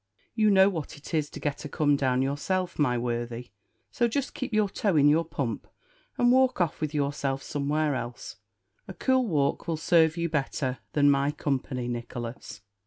You know what it is to get a come down yourself, my worthy; so just keep your toe in your pump, and walk off with yourself somewhere else. A cool walk will sarve you better than my company, Nicholas."